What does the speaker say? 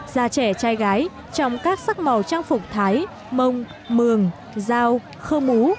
già trẻ trai gái trồng các sắc màu trang phục thái mông mường dao khơ mú